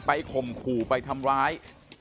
ข่มขู่ไปทำร้าย